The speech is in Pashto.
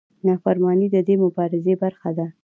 نافرماني د دې مبارزې برخه ده.